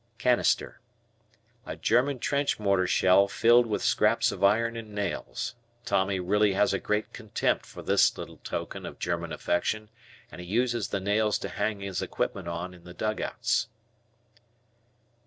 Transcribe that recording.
Canister. A German trench mortar shell filled with scraps of iron and nails. Tommy really has a great contempt for this little token of German affection and he uses the nails to hang his equipment on in the dugouts.